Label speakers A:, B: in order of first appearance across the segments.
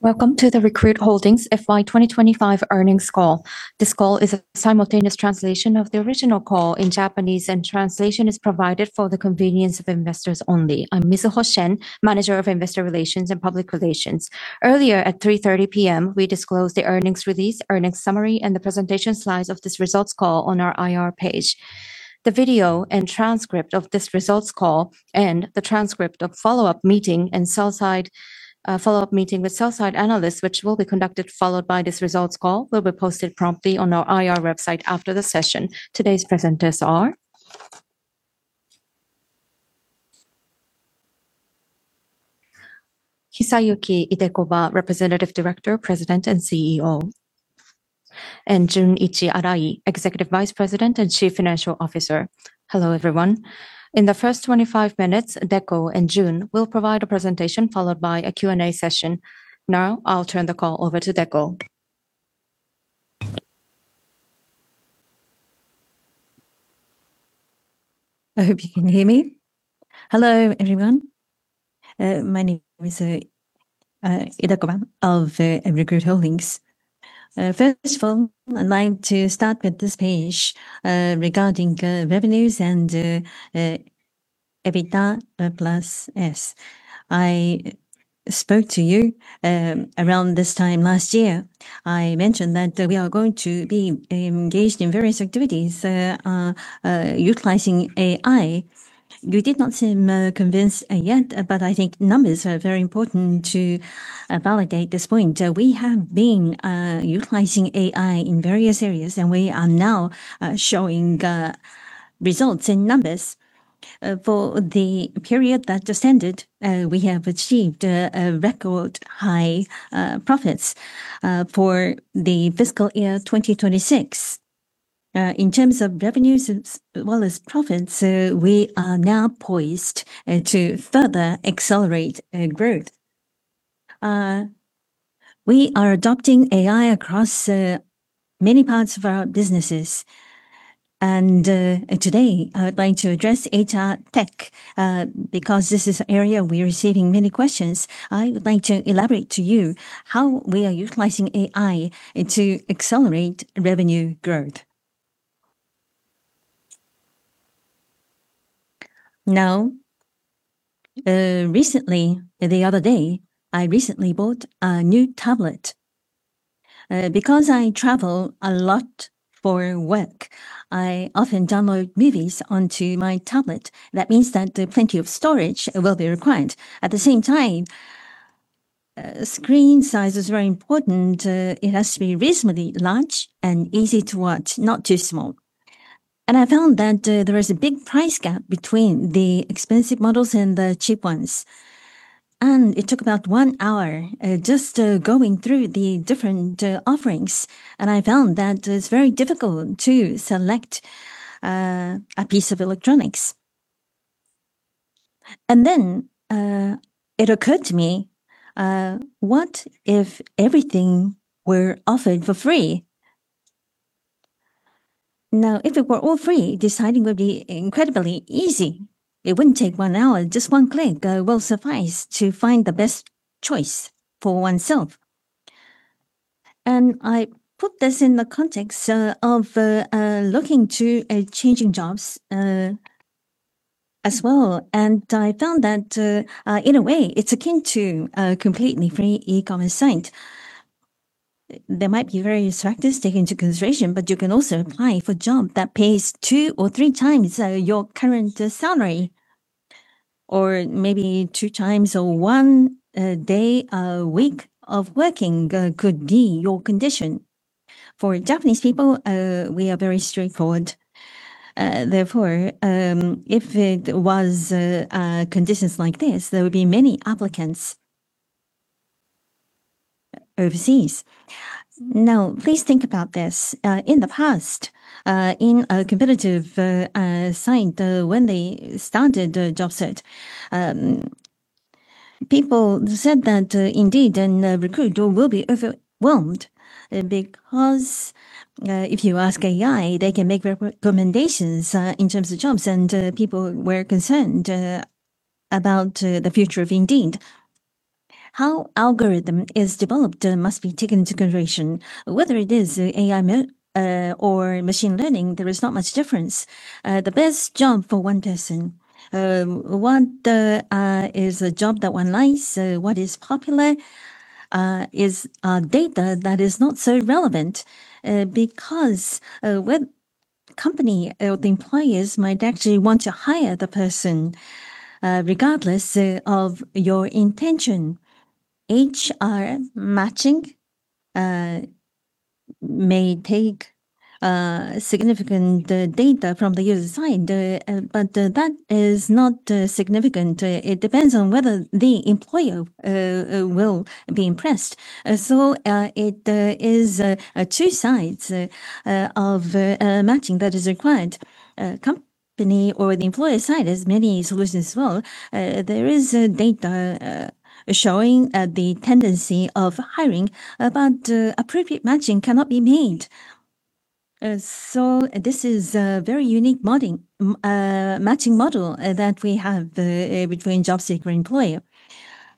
A: Welcome to the Recruit Holdings FY2025 Earnings Call. This call is a simultaneous translation of the original call in Japanese, and translation is provided for the convenience of investors only. I'm Mizuho Shen, Manager of Investor Relations and Public Relations. Earlier at 3:30 P.M., we disclosed the earnings release, earnings summary, and the presentation slides of this results call on our IR page. The video and transcript of this results call and the transcript of follow-up meeting and sell side follow-up meeting with sell side analysts, which will be conducted followed by this results call, will be posted promptly on our IR website after the session. Today's presenters are Hisayuki Idekoba, Representative Director, President and CEO, and Junichi Arai, Executive Vice President and Chief Financial Officer.
B: Hello, everyone.
A: In the first 25 minutes, Deko and Jun will provide a presentation followed by a Q&A session. Now I'll turn the call over to Deko.
B: I hope you can hear me. Hello, everyone. My name is Idekoba of Recruit Holdings. First of all, I'd like to start with this page regarding revenues and EBITDA+S. I spoke to you around this time last year. I mentioned that we are going to be engaged in various activities utilizing AI. You did not seem convinced yet. I think numbers are very important to validate this point. We have been utilizing AI in various areas. We are now showing results in numbers. For the period that just ended, we have achieved a record high profits for the fiscal year 2026. In terms of revenues as well as profits, we are now poised to further accelerate growth. We are adopting AI across many parts of our businesses. Today I would like to address HR Tech because this is an area we're receiving many questions. I would like to elaborate to you how we are utilizing AI to accelerate revenue growth. Recently, the other day, I recently bought a new tablet. Because I travel a lot for work, I often download movies onto my tablet. That means that plenty of storage will be required. At the same time, screen size is very important. It has to be reasonably large and easy to watch, not too small. I found that there is a big price gap between the expensive models and the cheap ones. It took about one hour, just going through the different offerings, and I found that it's very difficult to select a piece of electronics. Then it occurred to me, what if everything were offered for free? Now, if it were all free, deciding would be incredibly easy. It wouldn't take one hour. Just one click will suffice to find the best choice for oneself. I put this in the context of looking to changing jobs as well. I found that in a way, it's akin to a completely free e-commerce site. There might be various factors taken into consideration, but you can also apply for job that pays two or three times your current salary, or maybe two times or one day a week of working could be your condition. For Japanese people, we are very straightforward. Therefore, if it was conditions like this, there would be many applicants overseas. Please think about this. In the past, in a competitive site, when they started the job search, people said that Indeed and Recruit will be overwhelmed because if you ask AI, they can make recommendations in terms of jobs, and people were concerned about the future of Indeed. How algorithm is developed must be taken into consideration. Whether it is AI or machine learning, there is not much difference. The best job for one person, what is a job that one likes, what is popular, is data that is not so relevant, because web company or the employers might actually want to hire the person, regardless of your intention. HR matching may take significant data from the user side, but that is not significant. It depends on whether the employer will be impressed. It is two sides of matching that is required. Company or the employer side has many solutions as well. There is data showing the tendency of hiring, but appropriate matching cannot be made. This is a very unique modeling matching model that we have between job seeker and employer.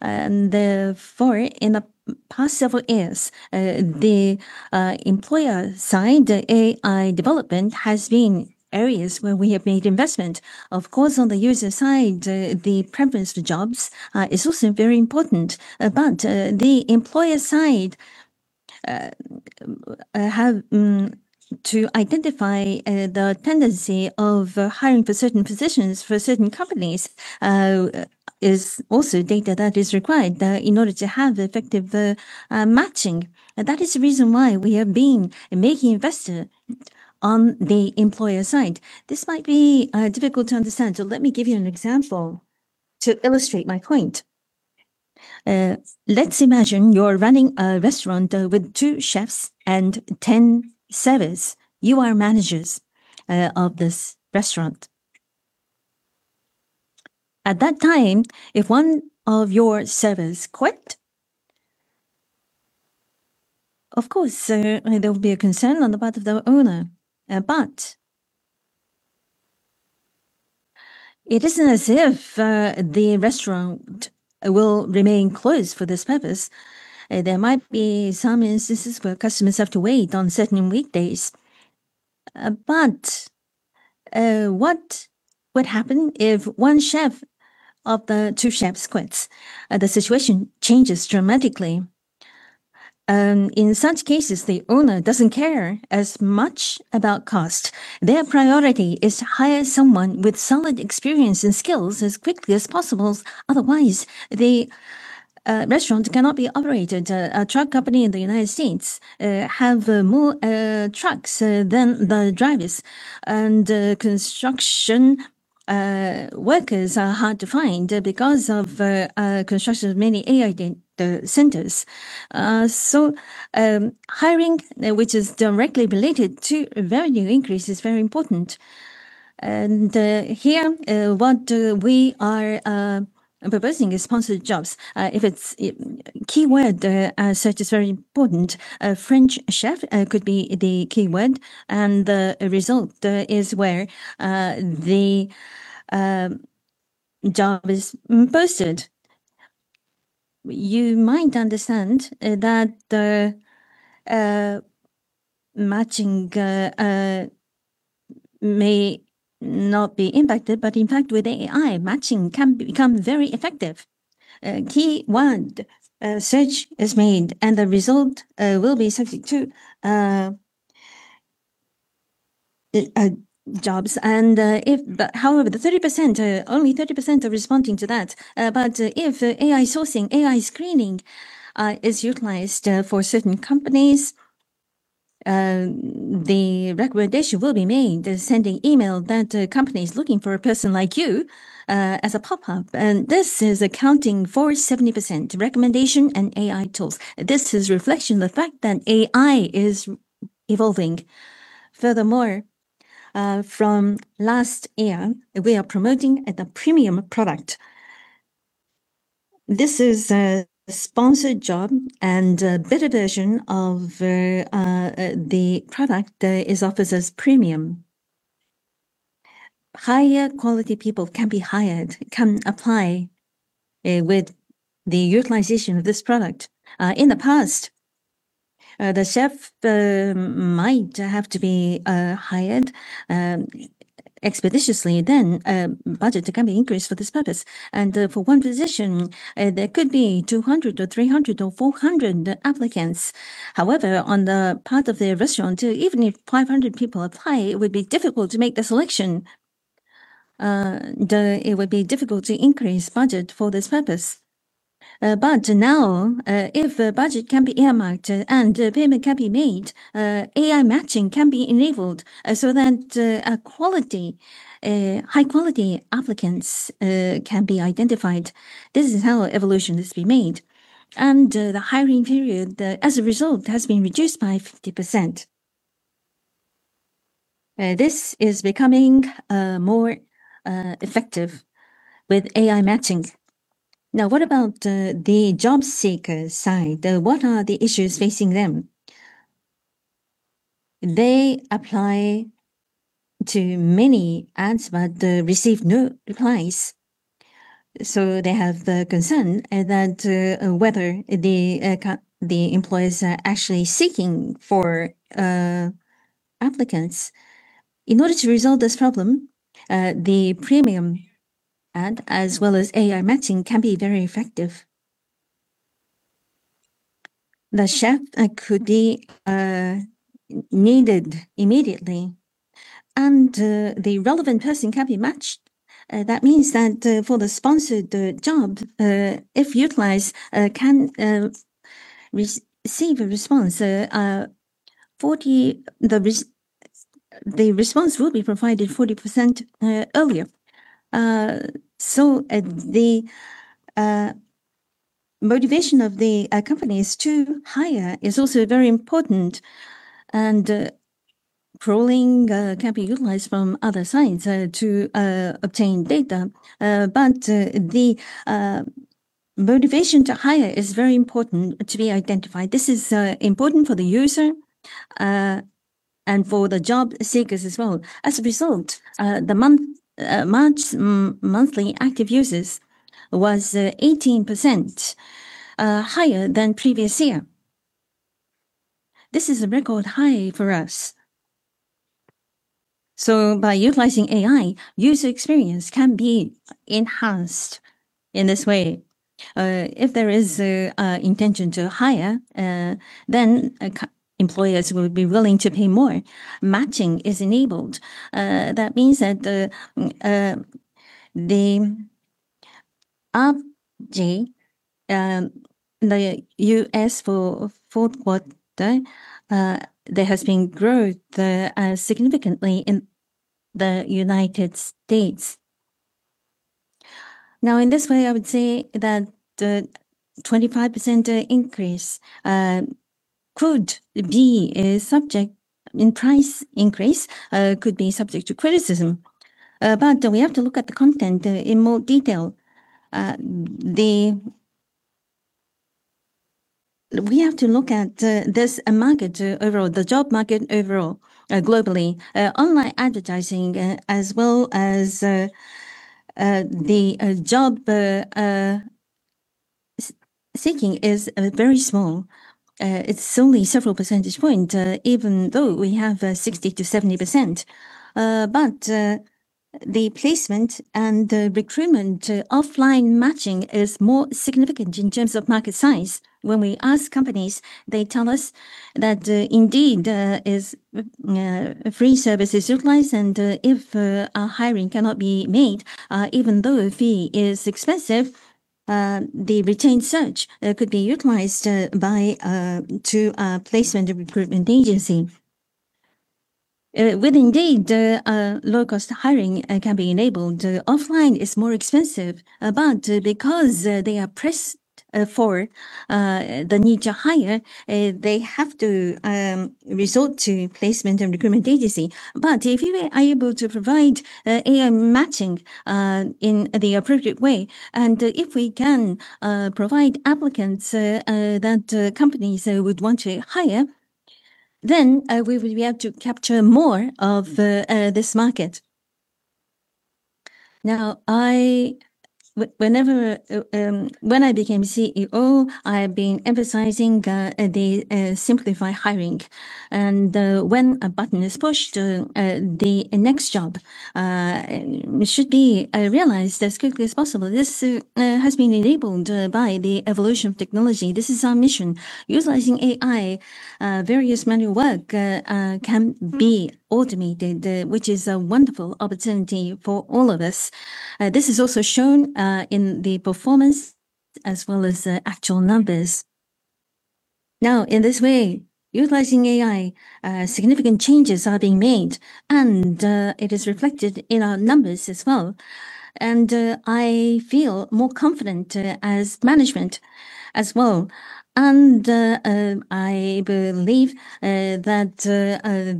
B: Therefore, in the past several years, the employer side AI development has been areas where we have made investment. Of course, on the user side, the preference for jobs is also very important. The employer side to identify the tendency of hiring for certain positions for certain companies is also data that is required in order to have effective matching. That is the reason why we have been making investment on the employer side. This might be difficult to understand, so let me give you an example to illustrate my point. Let's imagine you're running a restaurant with two chefs and 10 servers. You are managers of this restaurant. At that time, if one of your servers quit, of course, there will be a concern on the part of the owner. It isn't as if the restaurant will remain closed for this purpose. There might be some instances where customers have to wait on certain weekdays. What would happen if one chef of the two chefs quits? The situation changes dramatically. In such cases, the owner doesn't care as much about cost. Their priority is to hire someone with solid experience and skills as quickly as possible. Otherwise, the restaurant cannot be operated. A truck company in the U.S. have more trucks than the drivers. Construction workers are hard to find because of construction of many AI centers. Hiring, which is directly related to value increase, is very important. What we are proposing is Sponsored Jobs. If it's keyword, search is very important. A French chef could be the keyword, and the result is where the job is posted. You might understand that the matching may not be impacted, but in fact, with AI, matching can become very effective. Keyword search is made. The result will be subject to jobs. However, the 30%, only 30% are responding to that. If AI sourcing, AI screening is utilized for certain companies, the recommendation will be made. Sending email that a company is looking for a person like you, as a pop-up. This is accounting for 70% recommendation and AI tools. This is reflection of the fact that AI is evolving. Furthermore, from last year, we are promoting the premium product. This is a Sponsored Job, and a better version of the product is offered as premium. Higher quality people can be hired, can apply with the utilization of this product. In the past, the chef might have to be hired expeditiously. Budget can be increased for this purpose. For one position, there could be 200 or 300 or 400 applicants. However, on the part of the restaurant, even if 500 people apply, it would be difficult to make the selection. It would be difficult to increase budget for this purpose. Now, if budget can be earmarked and payment can be made, AI matching can be enabled so that quality, high-quality applicants can be identified. This is how evolution has been made. The hiring period, as a result, has been reduced by 50%. This is becoming more effective with AI matching. Now, what about the job seeker side? What are the issues facing them? They apply to many ads but receive no replies. They have the concern that whether the employers are actually seeking for applicants. In order to resolve this problem, the premium ad, as well as AI matching, can be very effective. The chef could be needed immediately, the relevant person can be matched. That means that for the sponsored job, if utilized, can receive a response, the response will be provided 40% earlier. The motivation of the companies to hire is also very important. Crawling can be utilized from other sites to obtain data. The motivation to hire is very important to be identified. This is important for the user and for the job seekers as well. As a result, the March monthly active users was 18% higher than previous year. This is a record high for us. By utilizing AI, user experience can be enhanced in this way. If there is a intention to hire, then employers will be willing to pay more. Matching is enabled. That means that the RGF, the U.S. for fourth quarter, there has been growth significantly in the United States. Now, in this way, I would say that the 25% increase in price increase could be subject to criticism. We have to look at the content in more detail. We have to look at this market overall, the job market overall, globally. Online advertising as well as the job seeking is very small. It's only several percentage point even though we have 60%-70%. The placement and the recruitment offline matching is more significant in terms of market size. When we ask companies, they tell us that Indeed is a free service is utilized, and if a hiring cannot be made, even though a fee is expensive, the retained search could be utilized by to a placement recruitment agency. With Indeed, low-cost hiring can be enabled. Offline is more expensive, but because they are pressed for the need to hire, they have to resort to placement and recruitment agency. If we are able to provide AI matching in the appropriate way, and if we can provide applicants that companies would want to hire, then we will be able to capture more of this market. Now, when I became CEO, I have been emphasizing the Simplify Hiring. When a button is pushed, the next job should be realized as quickly as possible. This has been enabled by the evolution of technology. This is our mission. Utilizing AI, various manual work can be automated, which is a wonderful opportunity for all of us. This is also shown in the performance as well as the actual numbers. Now, in this way, utilizing AI, significant changes are being made, and it is reflected in our numbers as well. I feel more confident as management as well. I believe that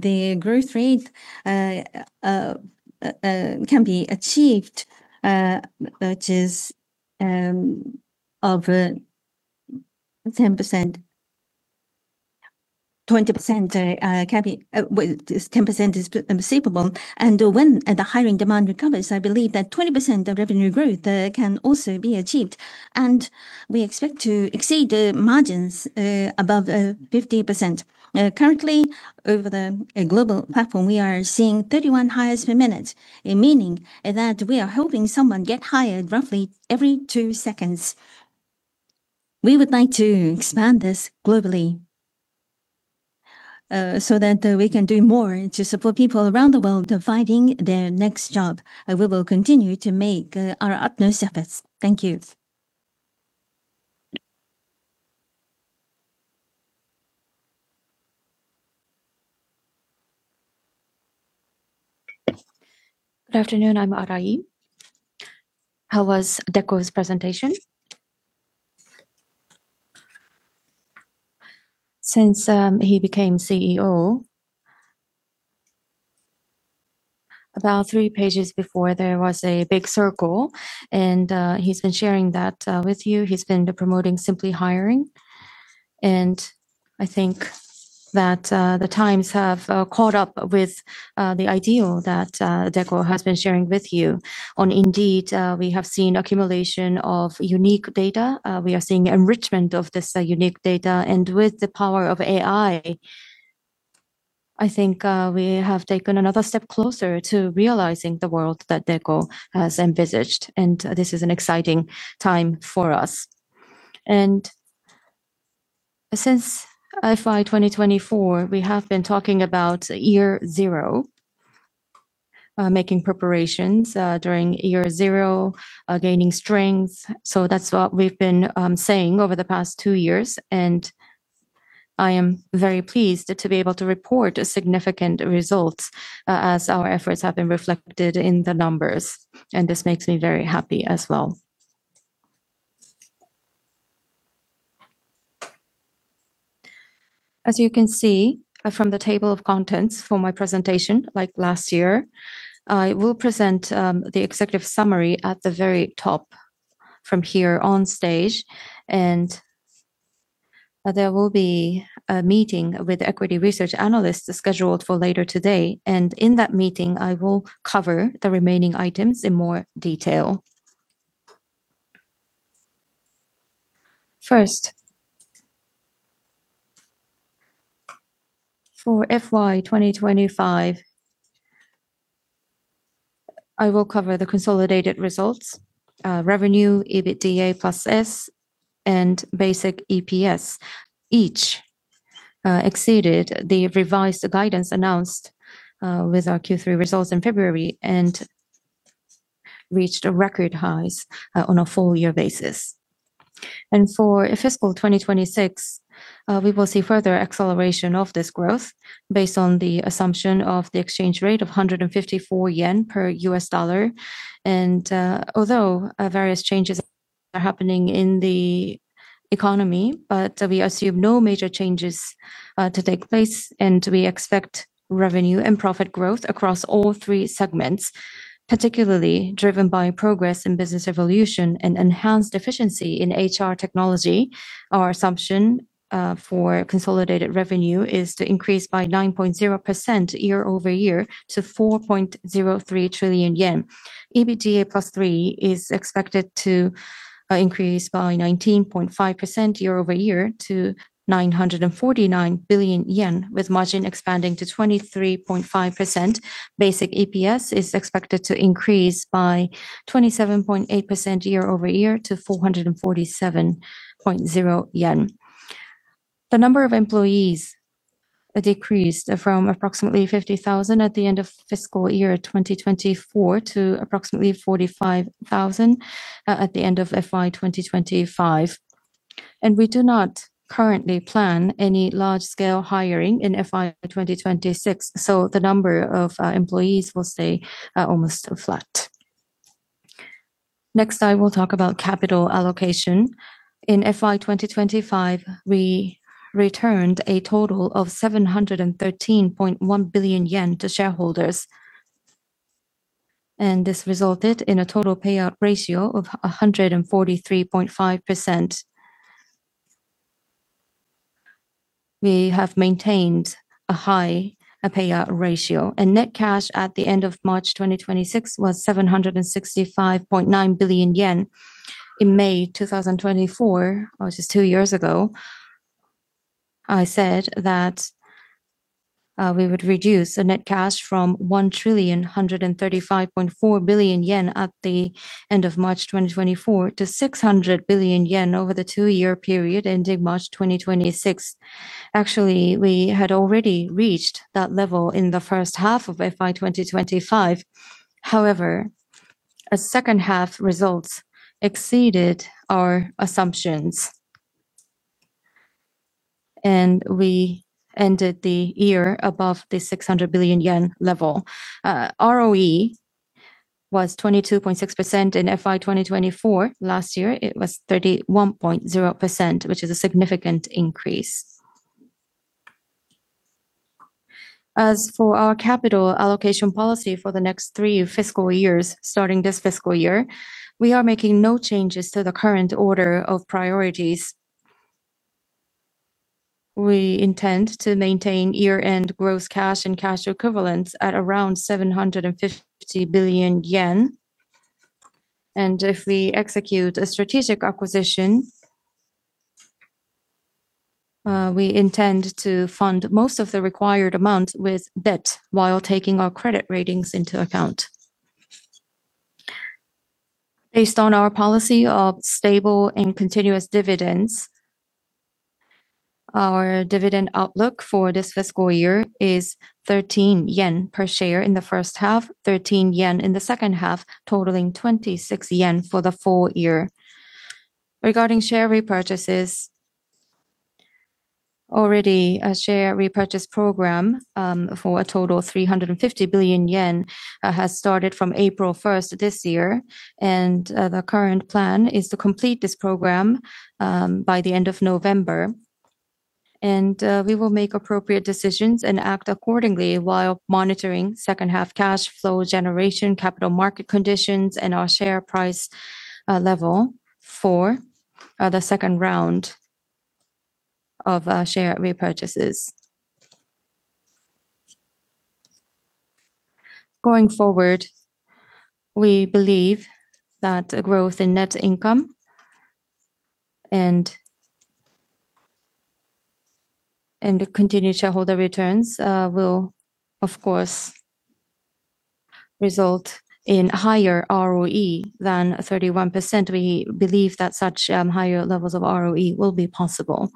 B: the growth rate can be achieved, which is over 10%. 20%, 10% is conceivable. When the hiring demand recovers, I believe that 20% of revenue growth can also be achieved. We expect to exceed the margins above 50%. Currently, over the global platform, we are seeing 31 hires per minute, meaning that we are helping someone get hired roughly every two seconds. We would like to expand this globally so that we can do more to support people around the world finding their next job. We will continue to make our utmost efforts. Thank you.
C: Good afternoon, I'm Arai. How was Deko's presentation? Since he became CEO, about three pages before, there was a big circle, he's been sharing that with you. He's been promoting Simplify Hiring. I think that the times have caught up with the ideal that Deko has been sharing with you. On Indeed, we have seen accumulation of unique data. We are seeing enrichment of this unique data. With the power of AI, I think, we have taken another step closer to realizing the world that Deko has envisaged. This is an exciting time for us. Since FY 2024, we have been talking about year zero, making preparations during year zero, gaining strength. That's what we've been saying over the past two years. I am very pleased to be able to report significant results, as our efforts have been reflected in the numbers. This makes me very happy as well. As you can see from the table of contents for my presentation, like last year, I will present the executive summary at the very top from here on stage. There will be a meeting with equity research analysts scheduled for later today. In that meeting, I will cover the remaining items in more detail. First, for FY 2025, I will cover the consolidated results, revenue, EBITDA+S, and Basic EPS. Each exceeded the revised guidance announced with our Q3 results in February and reached record highs on a full year basis. For FY 2026, we will see further acceleration of this growth based on the assumption of the exchange rate of 154 yen per U.S. dollar. Although various changes are happening in the economy, we assume no major changes to take place, and we expect revenue and profit growth across all three segments, particularly driven by progress in business evolution and enhanced efficiency in HR Technology. Our assumption for consolidated revenue is to increase by 9.0% year-over-year to JPY 4.03 trillion. EBITDA+S is expected to increase by 19.5% year-over-year to 949 billion yen, with margin expanding to 23.5%. Basic EPS is expected to increase by 27.8% year-over-year to 447.0 yen. The number of employees decreased from approximately 50,000 at the end of fiscal year 2024 to approximately 45,000 at the end of FY 2025. We do not currently plan any large-scale hiring in FY 2026, so the number of employees will stay almost flat. Next, I will talk about capital allocation. In FY 2025, we returned a total of 713.1 billion yen to shareholders. This resulted in a total payout ratio of 143.5%. We have maintained a high payout ratio. Net cash at the end of March 2026 was 765.9 billion yen. In May 2024, which is two years ago, I said that we would reduce the net cash from 1,135.4 billion yen at the end of March 2024 to 600 billion yen over the two-year period ending March 2026. Actually, we had already reached that level in the first half of FY 2025. However, second half results exceeded our assumptions. We ended the year above the 600 billion yen level. ROE was 22.6% in FY 2024. Last year, it was 31.0%, which is a significant increase. As for our capital allocation policy for the next three fiscal years starting this fiscal year, we are making no changes to the current order of priorities. We intend to maintain year-end gross cash and cash equivalents at around 750 billion yen. If we execute a strategic acquisition, we intend to fund most of the required amount with debt while taking our credit ratings into account. Based on our policy of stable and continuous dividends, our dividend outlook for this fiscal year is 13 yen per share in the first half, 13 yen in the second half, totaling 26 yen for the full year. Regarding share repurchases, already a share repurchase program for a total of 350 billion yen has started from April 1st this year. The current plan is to complete this program by the end of November. We will make appropriate decisions and act accordingly while monitoring seciond half cash flow generation, capital market conditions, and our share price level for the second round of share repurchases. Going forward, we believe that growth in net income and continued shareholder returns will of course result in higher ROE than 31%. We believe that such higher levels of ROE will be possible.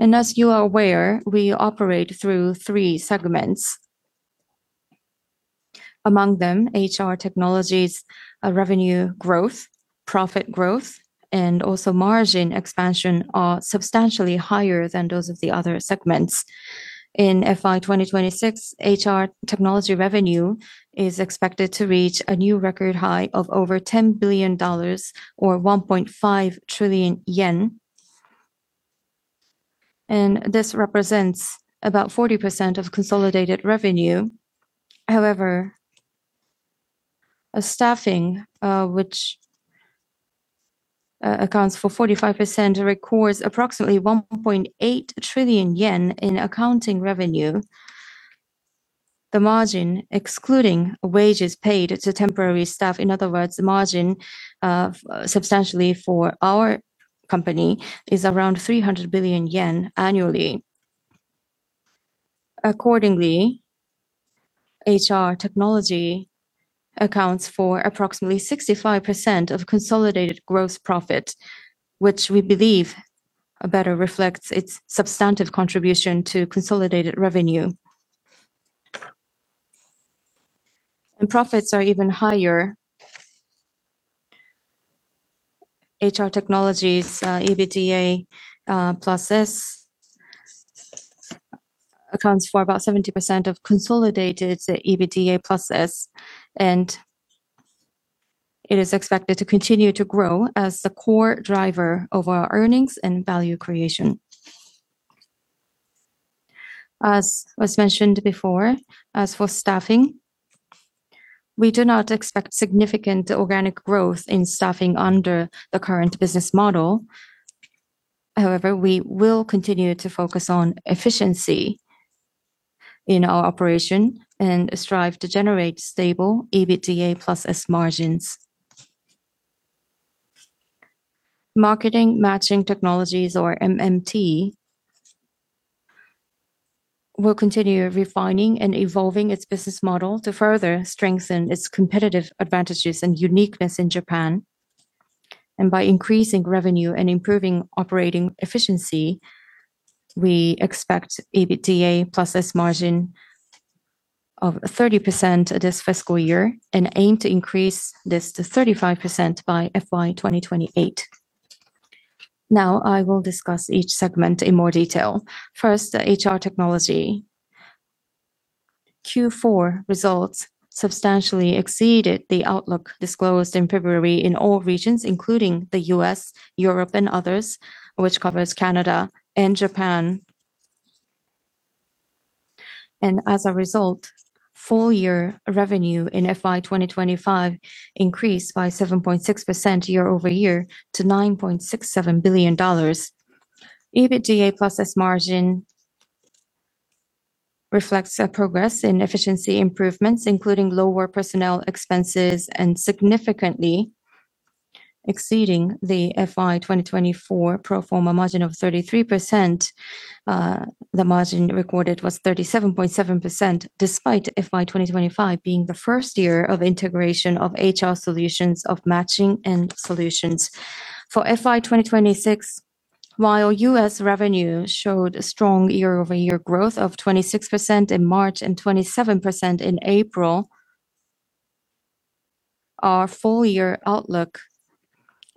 C: As you are aware, we operate through three segments. Among them, HR Technology revenue growth, profit growth, and also margin expansion are substantially higher than those of the other segments. In FY 2026, HR Technology revenue is expected to reach a new record high of over $10 billion or 1.5 trillion yen. This represents about 40% of consolidated revenue. A staffing, which accounts for 45% records approximately 1.8 trillion yen in accounting revenue. The margin excluding wages paid to temporary staff. The margin substantially for our company is around 300 billion yen annually. HR Technology accounts for approximately 65% of consolidated gross profit, which we believe better reflects its substantive contribution to consolidated revenue. Profits are even higher. HR Technology EBITDA+S accounts for about 70% of consolidated EBITDA+S, it is expected to continue to grow as the core driver of our earnings and value creation. As was mentioned before, as for staffing, we do not expect significant organic growth in staffing under the current business model. We will continue to focus on efficiency in our operation and strive to generate stable EBITDA+S margins. Marketing Matching Technologies or MMT will continue refining and evolving its business model to further strengthen its competitive advantages and uniqueness in Japan. By increasing revenue and improving operating efficiency, we expect EBITDA+S margin of 30% this fiscal year and aim to increase this to 35% by FY 2028. I will discuss each segment in more detail. First, HR Technology. Q4 results substantially exceeded the outlook disclosed in February in all regions, including the U.S., Europe, and others, which covers Canada and Japan. As a result, full year revenue in FY 2025 increased by 7.6% year-over-year to $9.67 billion. EBITDA+S margin reflects a progress in efficiency improvements, including lower personnel expenses and significantly exceeding the FY 2024 pro forma margin of 33%. The margin recorded was 37.7% despite FY 2025 being the first year of integration of HR Solutions of Matching & Solutions. For FY 2026, while U.S. revenue showed a strong year-over-year growth of 26% in March and 27% in April, our full year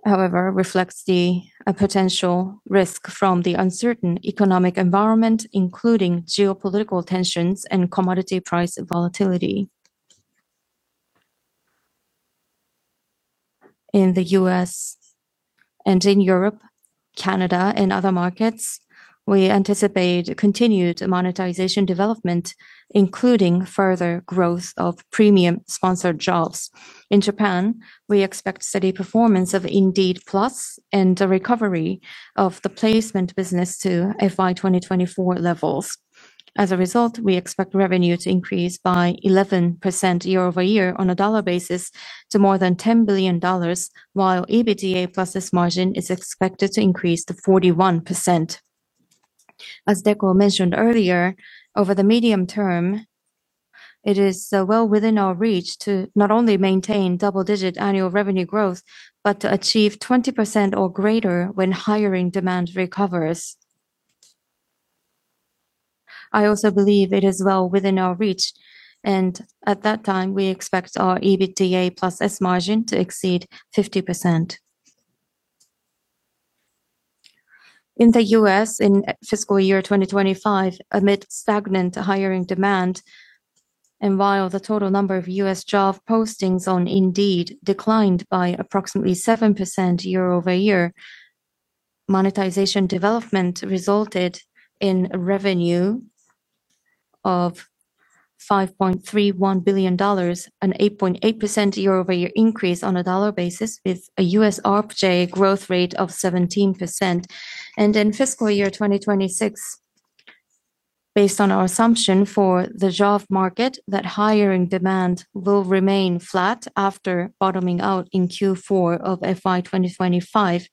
C: outlook, however, reflects the potential risk from the uncertain economic environment, including geopolitical tensions and commodity price volatility. In the U.S. and in Europe, Canada and other markets, we anticipate continued monetization development, including further growth of Premium Sponsored Jobs. In Japan, we expect steady performance of Indeed PLUS and the recovery of the placement business to FY 2024 levels. As a result, we expect revenue to increase by 11% year-over-year on a dollar basis to more than $10 billion, while EBITDA+S margin is expected to increase to 41%. As Deko mentioned earlier, over the medium-term, it is well within our reach to not only maintain double-digit annual revenue growth, but to achieve 20% or greater when hiring demand recovers. I also believe it is well within our reach, and at that time, we expect our EBITDA+S margin to exceed 50%. In the U.S. in FY 2025, amid stagnant hiring demand and while the total number of U.S. job postings on Indeed declined by approximately 7% year-over-year, monetization development resulted in revenue of $5.31 billion, an 8.8% year-over-year increase on a dollar basis with a U.S. ARPJ growth rate of 17%. In FY 2026, based on our assumption for the job market, that hiring demand will remain flat after bottoming out in Q4 of FY 2025.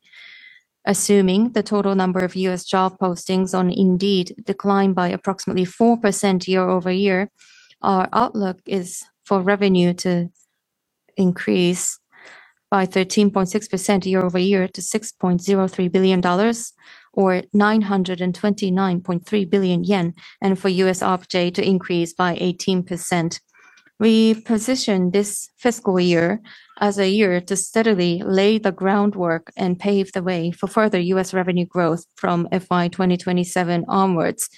C: Assuming the total number of U.S. job postings on Indeed declined by approximately 4% year-over-year, our outlook is for revenue to increase by 13.6% year-over-year to $6.03 billion or 929.3 billion yen. For U.S. ARPJ to increase by 18%. We've positioned this fiscal year as a year to steadily lay the groundwork and pave the way for further U.S. revenue growth from FY 2027 onwards.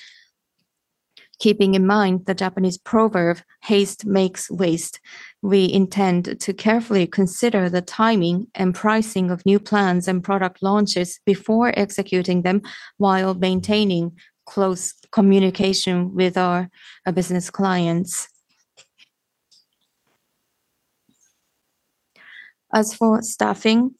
C: Keeping in mind the Japanese proverb, Haste makes waste, we intend to carefully consider the timing and pricing of new plans and product launches before executing them while maintaining close communication with our business clients. As for staffing,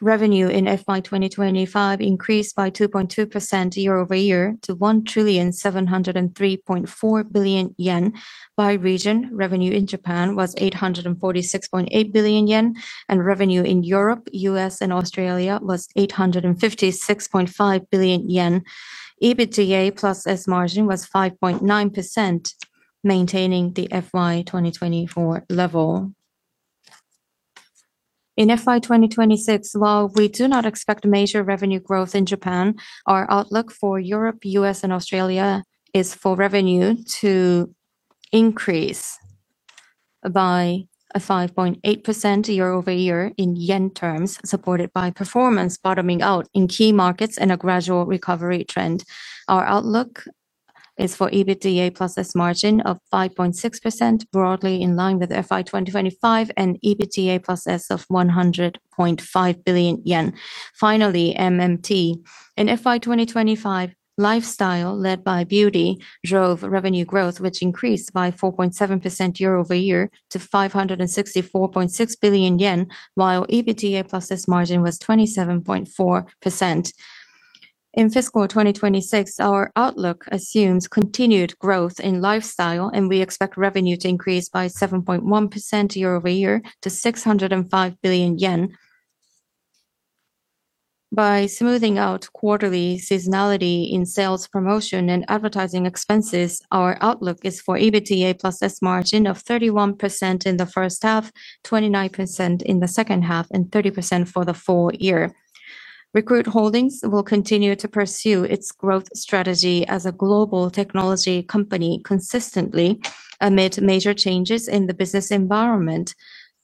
C: revenue in FY 2025 increased by 2.2% year-over-year to 1,703.4 billion yen. By region, revenue in Japan was 846.8 billion yen, and revenue in Europe, U.S., and Australia was 856.5 billion yen. EBITDA+S margin was 5.9%, maintaining the FY2024 level. In FY 2026, while we do not expect major revenue growth in Japan, our outlook for Europe, U.S., and Australia is for revenue to increase by 5.8% year-over-year in JPY terms, supported by performance bottoming out in key markets and a gradual recovery trend. Our outlook is for EBITDA+S margin of 5.6%, broadly in line with FY 2025, and EBITDA+S of 100.5 billion yen. Finally, MMT. In FY 2025, Lifestyle led by Beauty drove revenue growth, which increased by 4.7% year-over-year to 564.6 billion yen, while EBITDA+S margin was 27.4%. In FY 2026, our outlook assumes continued growth in lifestyle, and we expect revenue to increase by 7.1% year-over-year to JPY 605 billion. By smoothing out quarterly seasonality in sales promotion and advertising expenses, our outlook is for EBITDA+S margin of 31% in the first half, 29% in the second half, and 30% for the full year. Recruit Holdings will continue to pursue its growth strategy as a global technology company consistently amid major changes in the business environment,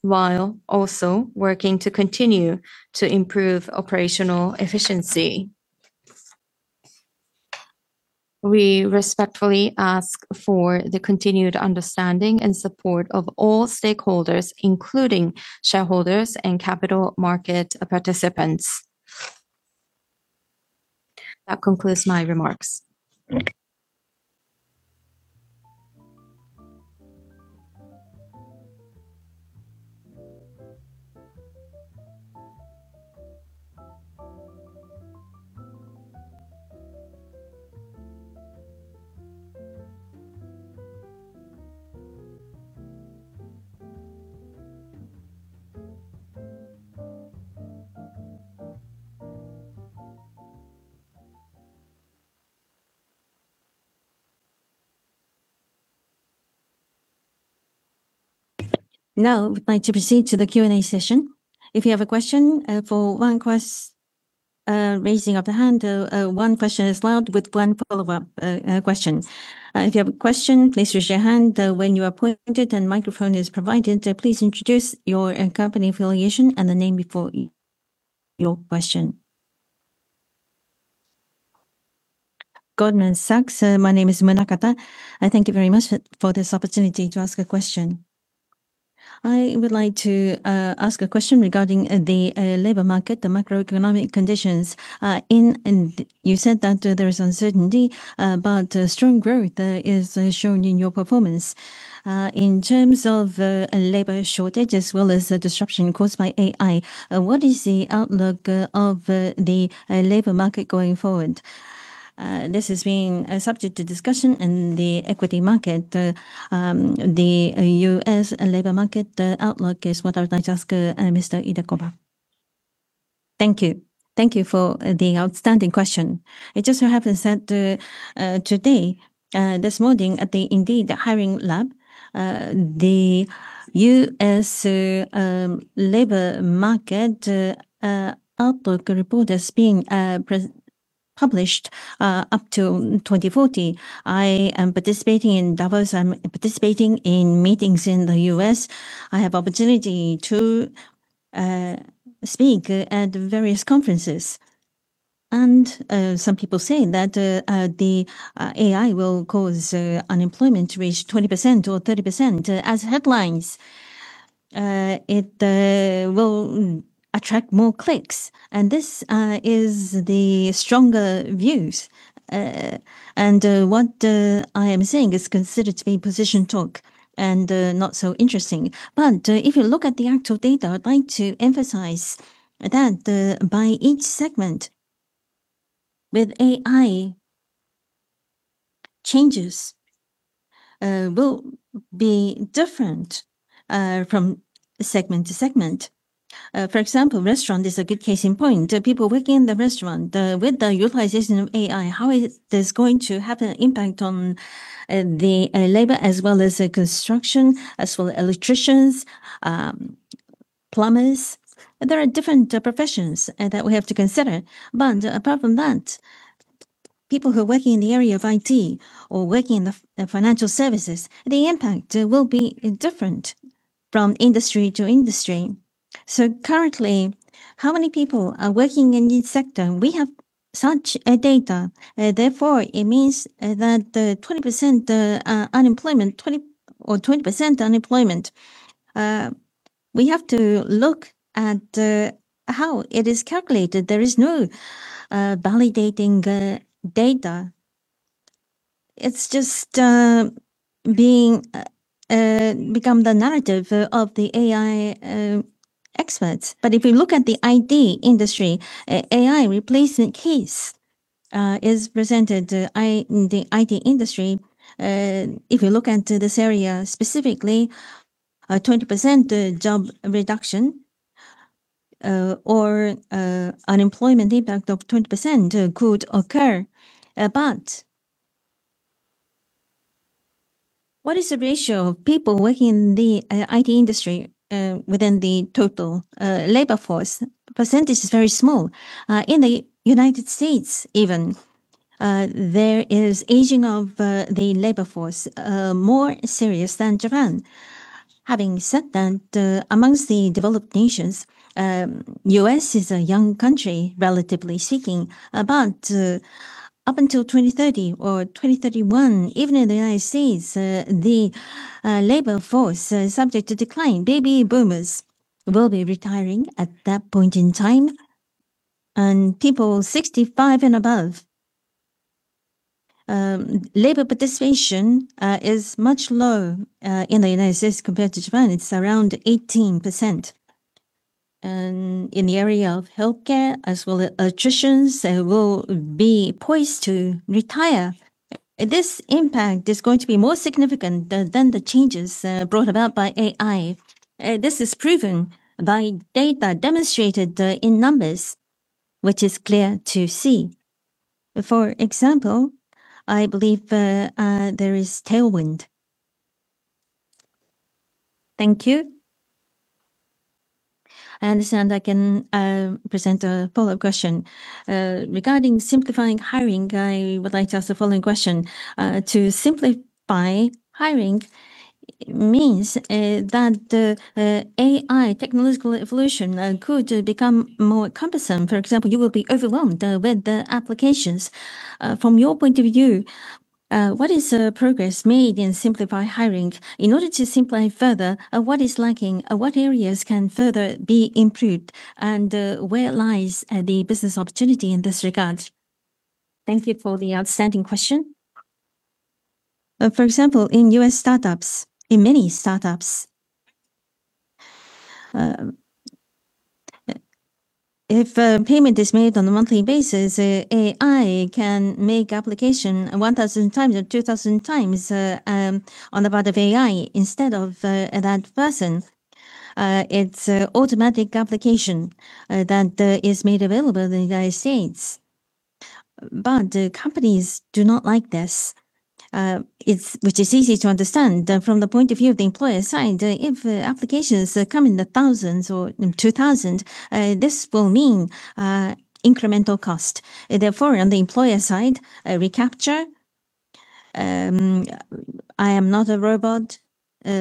C: while also working to continue to improve operational efficiency. We respectfully ask for the continued understanding and support of all stakeholders, including shareholders and capital market participants. That concludes my remarks.
A: Now we'd like to proceed to the Q&A session. If you have a question, for one raising of the hand, one question is allowed with one follow-up question. If you have a question, please raise your hand. When you are appointed and microphone is provided, please introduce your company affiliation and the name before your question.
D: Goldman Sachs, my name is Munakata. I thank you very much for this opportunity to ask a question. I would like to ask a question regarding the labor market, the macroeconomic conditions. You said that there is uncertainty, but strong growth is shown in your performance. In terms of labor shortage as well as the disruption caused by AI, what is the outlook of the labor market going forward? This has been a subject to discussion in the equity market. The U.S. labor market outlook is what I'd like to ask Mr. Idekoba.
B: Thank you. Thank you for the outstanding question. It just so happens that today this morning at the Indeed Hiring Lab, the U.S. labor market outlook report is being published up to 2040. I am participating in Davos. I'm participating in meetings in the U.S. I have opportunity to speak at various conferences. Some people say that the AI will cause unemployment to reach 20% or 30% as headlines. It will attract more clicks. This is the stronger views. What I am saying is considered to be position talk and not so interesting. If you look at the actual data, I'd like to emphasize that by each segment with AI changes will be different from segment to segment. For example, restaurant is a good case in point. People working in the restaurant, with the utilization of AI, how is this going to have an impact on the labor as well as the construction, as well electricians? Plumbers. There are different professions that we have to consider, but apart from that, people who are working in the area of IT or working in the financial services, the impact will be different from industry to industry. Currently, how many people are working in this sector? We have such a data. It means that the 20% unemployment, 20% unemployment, we have to look at how it is calculated. There is no validating data. It's just being become the narrative of the AI experts. If you look at the IT industry, AI replacement case is presented in the IT industry. If you look into this area specifically, a 20% job reduction or an unemployment impact of 20% could occur. What is the ratio of people working in the IT industry within the total labor force? Percentage is very small. In the U.S. even, there is aging of the labor force more serious than Japan. Having said that, amongst the developed nations, the U.S. is a young country, relatively seeking. Up until 2030 or 2031, even in the U.S., the labor force is subject to decline. Baby boomers will be retiring at that point in time, and people 65 and above. Labor participation is much low in the U.S. compared to Japan. It's around 18%. In the area of healthcare, as well as attritions, they will be poised to retire. This impact is going to be more significant than the changes brought about by AI. This is proven by data demonstrated in numbers, which is clear to see. For example, I believe there is tailwind.
D: Thank you. I understand I can present a follow-up question. Regarding Simplify Hiring, I would like to ask the following question. To Simplify Hiring means that the AI technological evolution could become more cumbersome. For example, you will be overwhelmed with the applications. From your point of view, what is the progress made in Simplify Hiring? In order to simplify further, what is lacking? What areas can further be improved? Where lies the business opportunity in this regard?
B: Thank you for the outstanding question. For example, in U.S. startups, in many startups, if a payment is made on a monthly basis, AI can make application 1,000 times or 2,000 times on the part of AI instead of that person. It's automatic application that is made available in the United States. Companies do not like this, it's which is easy to understand. From the point of view of the employer side, if applications come in the thousands or 2,000, this will mean incremental cost. Therefore, on the employer side, a reCAPTCHA, I am not a robot,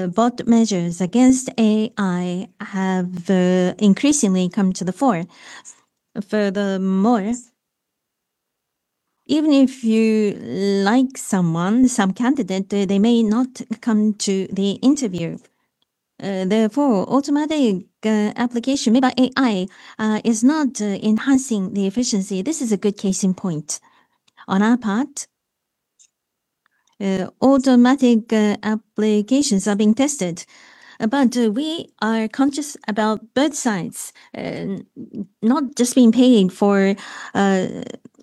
B: bot measures against AI have increasingly come to the fore. Furthermore, even if you like someone, some candidate, they may not come to the interview. Therefore, automatic application made by AI is not enhancing the efficiency. This is a good case in point. On our part, automatic applications are being tested, but we are conscious about both sides, not just being paying for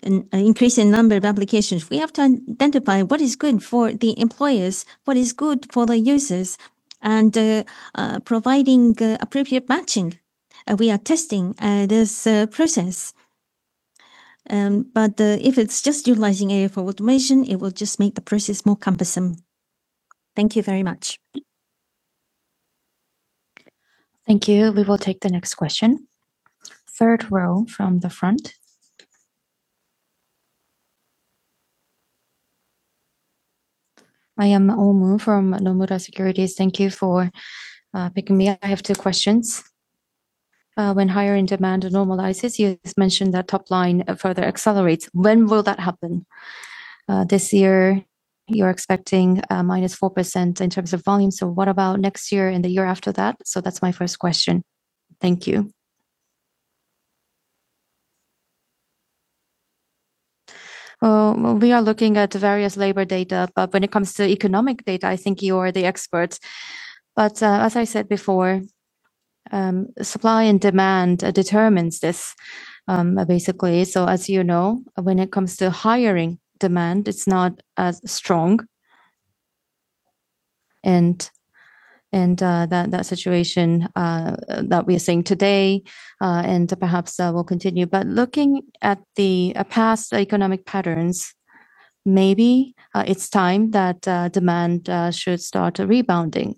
B: an increasing number of applications. We have to identify what is good for the employers, what is good for the users, and providing appropriate matching. We are testing this process. If it's just utilizing AI for automation, it will just make the process more cumbersome. Thank you very much.
A: Thank you. We will take the next question. Third row from the front.
E: I am Oum from Nomura Securities. Thank you for picking me. I have two questions. When hiring demand normalizes, you mentioned that top line further accelerates. When will that happen? This year, you're expecting minus 4% in terms of volume. What about next year and the year after that? That's my first question. Thank you.
B: Well, we are looking at various labor data, when it comes to economic data, I think you are the experts. As I said before, supply and demand determines this, basically. As you know, when it comes to hiring demand, it's not as strong. That situation that we are seeing today and perhaps will continue. Looking at the past economic patterns Maybe it's time that demand should start rebounding.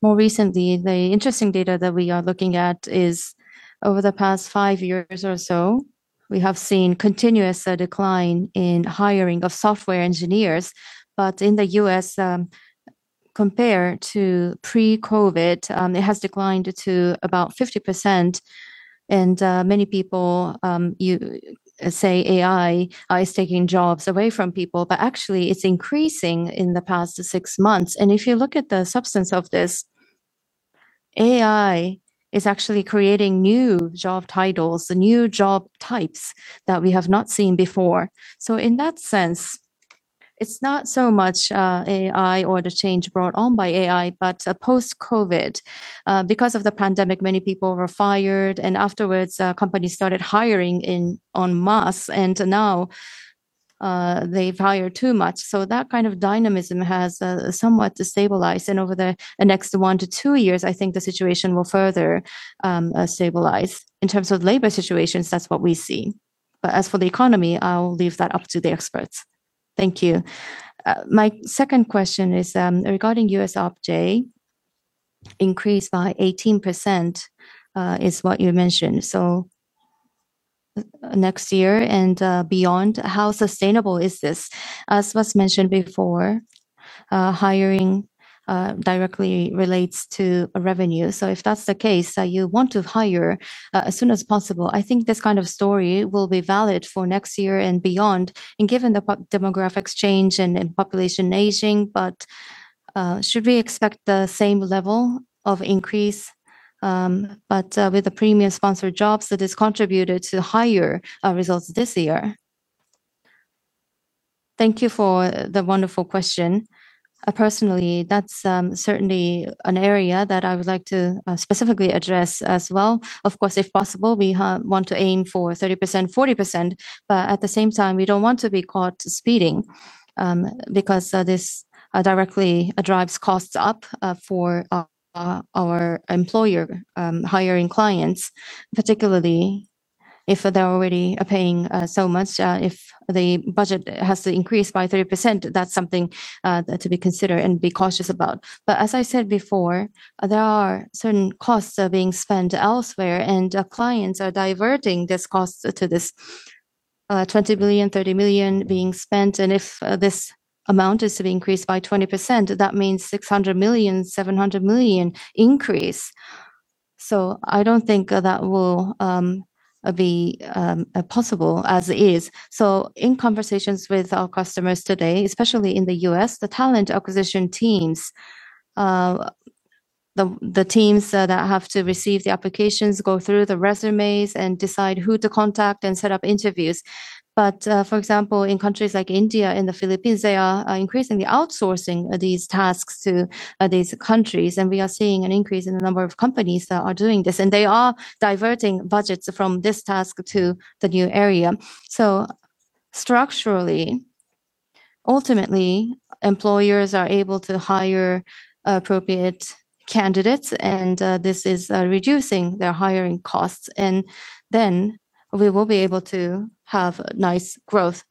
B: More recently, the interesting data that we are looking at is over the past five years or so, we have seen continuous decline in hiring of software engineers. In the U.S., compared to pre-COVID, it has declined to about 50% and many people say AI is taking jobs away from people, but actually it's increasing in the past six months. If you look at the substance of this, AI is actually creating new job titles and new job types that we have not seen before. In that sense, it's not so much AI or the change brought on by AI, but post-COVID. Because of the pandemic, many people were fired, and afterwards, companies started hiring en masse, and now, they've hired too much. That kind of dynamism has somewhat stabilized. Over the next one to two years, I think the situation will further stabilize. In terms of labor situations, that's what we see. As for the economy, I'll leave that up to the experts.
E: Thank you. My second question is regarding U.S. ARPJ increase by 18%, is what you mentioned. Next year and beyond, how sustainable is this? As was mentioned before, hiring directly relates to revenue. If that's the case, that you want to hire as soon as possible, I think this kind of story will be valid for next year and beyond. Given the demographics change and population aging, should we expect the same level of increase with the Premium Sponsored Jobs that has contributed to higher results this year?
B: Thank you for the wonderful question. Personally, that's certainly an area that I would like to specifically address as well. Of course, if possible, we want to aim for 30%-40%, but at the same time, we don't want to be caught speeding, because this directly drives costs up for our employer hiring clients, particularly if they're already paying so much. If the budget has to increase by 30%, that's something to be considered and be cautious about. As I said before, there are certain costs are being spent elsewhere, and clients are diverting these costs to this, 20 million-30 million being spent. If this amount is to be increased by 20%, that means 600 million-700 million increase. I don't think that will be possible as it is. In conversations with our customers today, especially in the U.S., the talent acquisition teams, the teams that have to receive the applications, go through the resumes, and decide who to contact and set up interviews. For example, in countries like India and the Philippines, they are increasingly outsourcing these tasks to these countries, and we are seeing an increase in the number of companies that are doing this, and they are diverting budgets from this task to the new area. Structurally, ultimately, employers are able to hire appropriate candidates, and this is reducing their hiring costs. We will be able to have nice growth.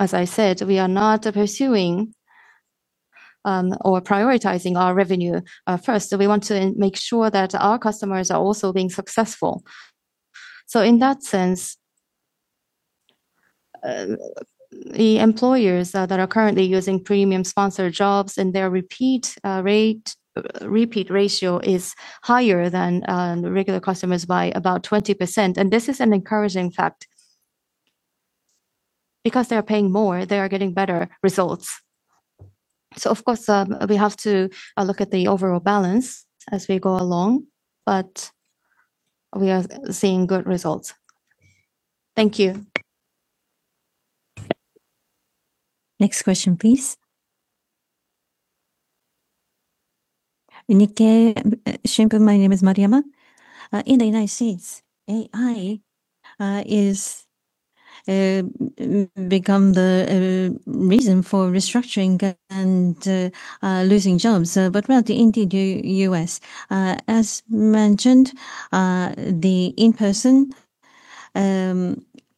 B: As I said, we are not pursuing or prioritizing our revenue first. We want to make sure that our customers are also being successful. In that sense, the employers that are currently using Premium Sponsored Jobs and their repeat ratio is higher than regular customers by about 20%, and this is an encouraging fact. Because they are paying more, they are getting better results. Of course, we have to look at the overall balance as we go along, but we are seeing good results. Thank you.
A: Next question, please.
F: Nikkei Shimbun, my name is Maruyama. In the United States, AI is become the reason for restructuring and losing jobs. Well, the Indeed U.S., as mentioned, the in-person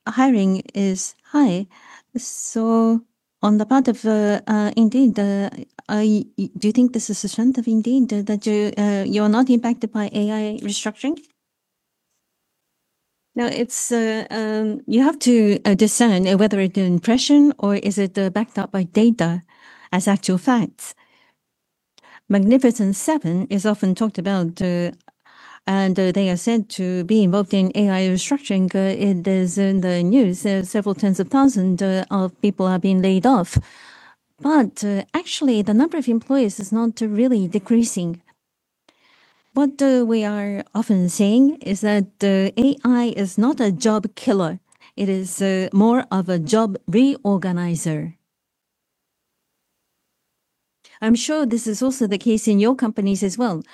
F: hiring is high. On the part of Indeed, do you think this is a strength of Indeed that you're not impacted by AI restructuring?
B: Now it's, you have to discern whether it's an impression or is it backed up by data as actual facts. Magnificent Seven is often talked about, and they are said to be involved in AI restructuring. It is in the news, several tens of thousands of people are being laid off. Actually, the number of employees is not really decreasing. What we are often saying is that AI is not a job killer. It is more of a job reorganizer. I'm sure this is also the case in your companies as well.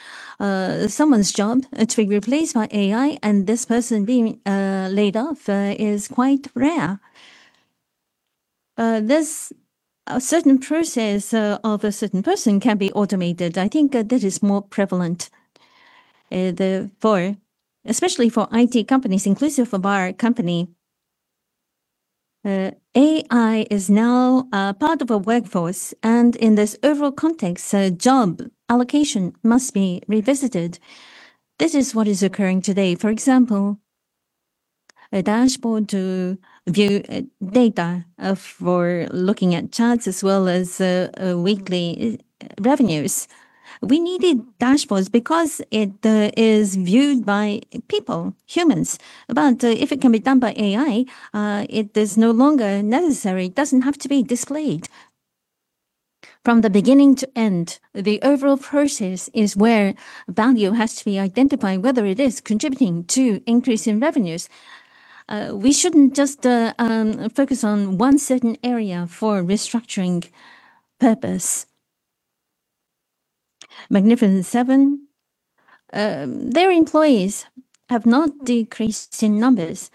B: Someone's job to be replaced by AI and this person being laid off is quite rare. This a certain process of a certain person can be automated. I think that is more prevalent, especially for IT companies, inclusive of our company. AI is now a part of a workforce, and in this overall context, job allocation must be revisited. This is what is occurring today. For example, a dashboard to view data for looking at charts as well as weekly revenues. We needed dashboards because it is viewed by people, humans. If it can be done by AI, it is no longer necessary. It doesn't have to be displayed. From the beginning to end, the overall process is where value has to be identified, whether it is contributing to increase in revenues. We shouldn't just focus on one certain area for restructuring purpose. Magnificent Seven, their employees have not decreased in numbers.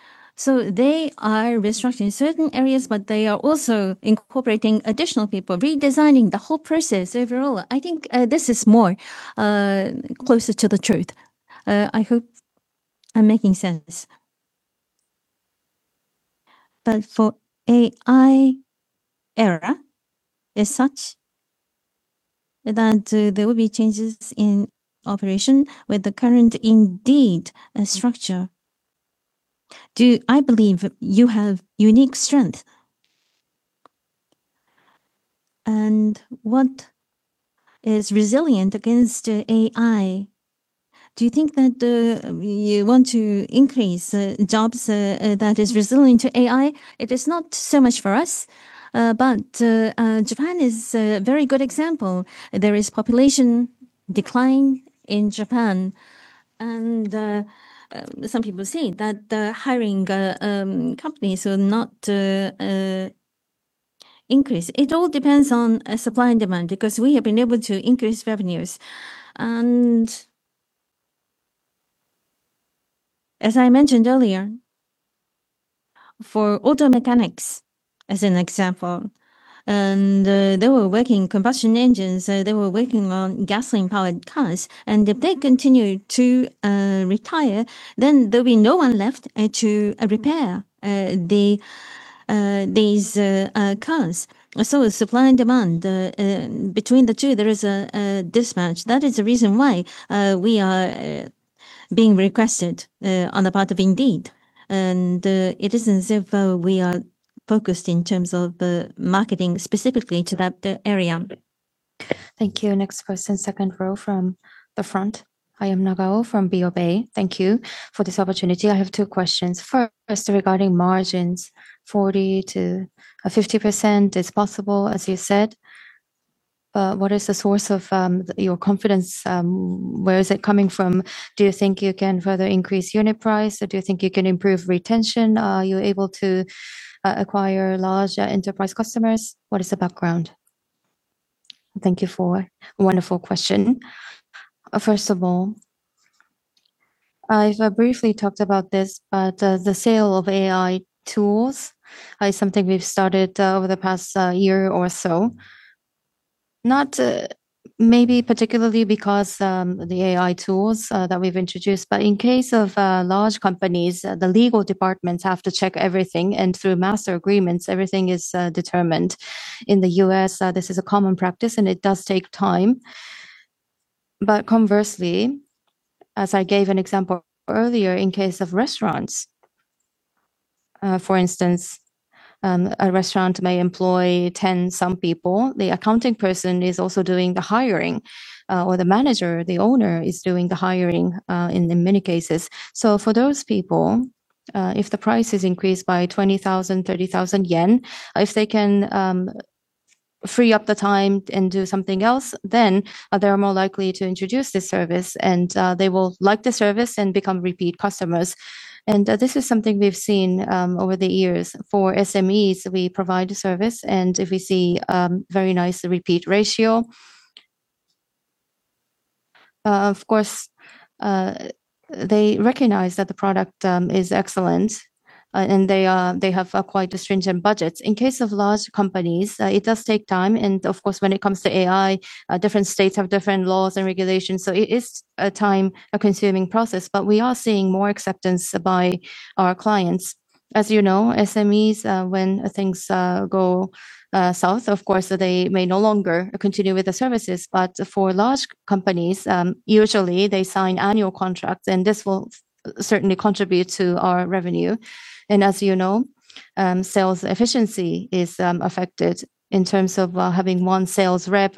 B: They are restructuring certain areas, but they are also incorporating additional people, redesigning the whole process overall. I think this is more closer to the truth. I hope I'm making sense. For AI era as such, there will be changes in operation with the current Indeed structure. I believe you have unique strength and what is resilient against AI.
F: Do you think that you want to increase jobs that is resilient to AI?
B: It is not so much for us. Japan is a very good example. There is population decline in Japan, some people say that the hiring companies will not increase. It all depends on supply and demand because we have been able to increase revenues. As I mentioned earlier, for auto mechanics, as an example, they were working combustion engines, so they were working on gasoline-powered cars. If they continue to retire, then there will be no one left to repair the these cars. Supply and demand between the two, there is a mismatch. That is the reason why we are being requested on the part of Indeed. It isn't as if we are focused in terms of marketing specifically to that area.
A: Thank you. Next person, second row from the front.
G: I am Nagao from BofA. Thank you for this opportunity. I have two questions. First, regarding margins, 40%-50% is possible, as you said. What is the source of your confidence? Where is it coming from? Do you think you can further increase unit price, or do you think you can improve retention? Are you able to acquire larger enterprise customers? What is the background?
B: Thank you for a wonderful question. First of all, I've briefly talked about this, the sale of AI tools is something we've started over the past year or so. Not maybe particularly because the AI tools that we've introduced, in case of large companies, the legal departments have to check everything, and through master agreements, everything is determined. In the U.S., this is a common practice, and it does take time. Conversely, as I gave an example earlier in case of restaurants, for instance, a restaurant may employ 10 some people. The accounting person is also doing the hiring, or the manager, the owner is doing the hiring, in many cases. For those people, if the price is increased by 20,000-30,000 yen, if they can free up the time and do something else, then they are more likely to introduce this service, and they will like the service and become repeat customers. This is something we've seen over the years. For SMEs, we provide a service, and if we see very nice repeat ratio. Of course, they recognize that the product is excellent, they have quite a stringent budget. In case of large companies, it does take time. Of course, when it comes to AI, different states have different laws and regulations. It is a time-consuming process, but we are seeing more acceptance by our clients. As you know, SMEs, when things go south, of course, they may no longer continue with the services. For large companies, usually they sign annual contracts, and this will certainly contribute to our revenue. As you know, sales efficiency is affected in terms of having 1 sales rep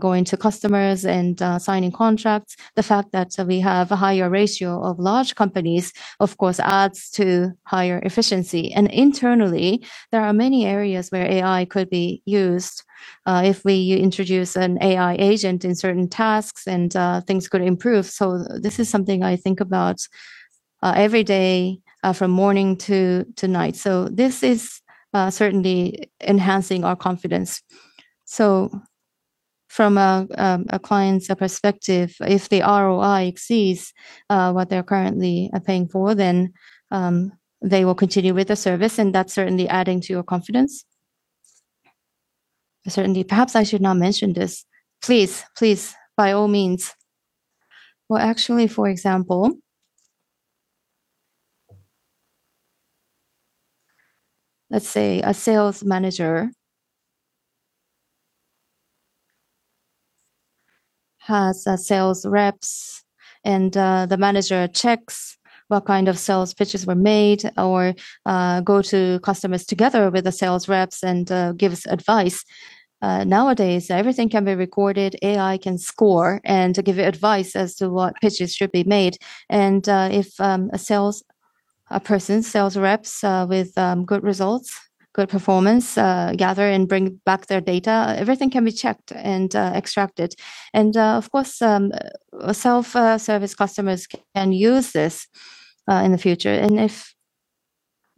B: going to customers and signing contracts. The fact that we have a higher ratio of large companies, of course, adds to higher efficiency. Internally, there are many areas where AI could be used, if we introduce an AI agent in certain tasks and things could improve. This is something I think about every day, from morning to night. This is certainly enhancing our confidence. From a client's perspective, if the ROI exceeds what they're currently paying for, then they will continue with the service, and that's certainly adding to your confidence. Certainly. Perhaps I should not mention this. Please, by all means. Well, actually, for example let's say a sales manager has sales reps and the manager checks what kind of sales pitches were made or go to customers together with the sales reps and gives advice. Nowadays, everything can be recorded, AI can score and give advice as to what pitches should be made. If a sales person, sales reps, with good results, good performance, gather and bring back their data, everything can be checked and extracted. Of course, self-service customers can use this in the future. If